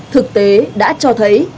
thực tế đã cho thấy